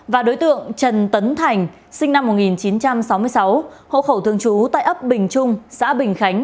và đối tượng trần tấn thành sinh năm một nghìn chín trăm sáu mươi sáu hậu khẩu thương chú tại ấp bình trung xã bình khánh